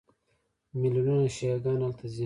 میلیونونه شیعه ګان هلته ځي.